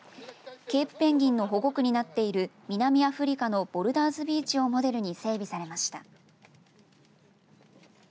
ケープペンギンの保護区になっている南アフリカのボルダーズビーチをモデルに整備されました。